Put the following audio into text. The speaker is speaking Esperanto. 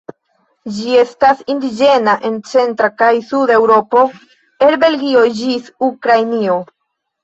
Ĝi estas indiĝena en centra kaj suda Eŭropo el Belgio ĝis Ukrainio.